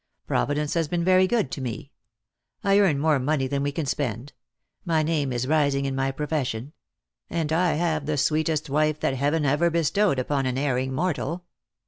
Providence has been very good to me. I earn more money than we can spend. My name is rising in my profession. And I have the sweetest wife that Heaven ever bestowed upon an erring mortal."